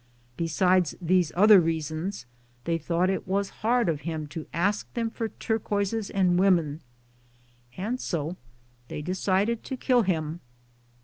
Besides these other reasons, they thought it was hard of him to ask them for turquoises and women, and so they decided to kill him.